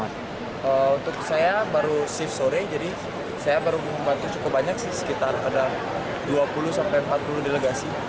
untuk saya baru shift sore jadi saya baru membantu cukup banyak sih sekitar ada dua puluh sampai empat puluh delegasi